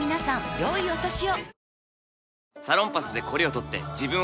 良いお年を。